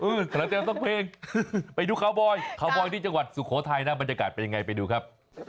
กำลังเจอสักเพลงไปดูคาวบอยคาวบอยที่จังหวัดสุโขทัยนะบรรยากาศเป็นยังไงไปดูครับ